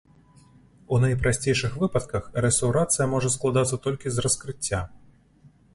У найпрасцейшых выпадках рэстаўрацыя можа складацца толькі з раскрыцця.